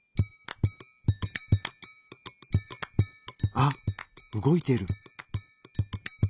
あっ動いてる！